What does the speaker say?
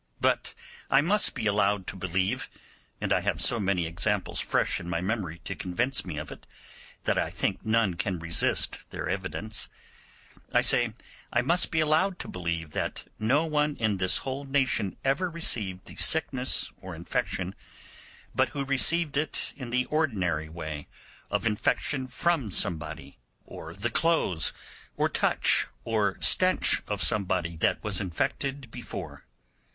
But I must be allowed to believe—and I have so many examples fresh in my memory to convince me of it, that I think none can resist their evidence—I say, I must be allowed to believe that no one in this whole nation ever received the sickness or infection but who received it in the ordinary way of infection from somebody, or the clothes or touch or stench of somebody that was infected before.